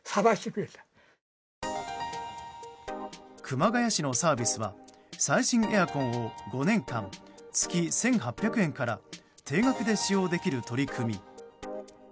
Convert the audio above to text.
熊谷市のサービスは最新エアコンを５年間月１８００円から定額で使用できる取り組み。